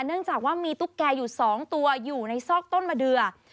เนื่องจากว่ามีตุ๊กแก่อยู่๒ตัวอยู่ในซอกต้นมะเดือ